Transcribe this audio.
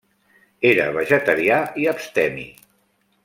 Era vegetarià i abstemi.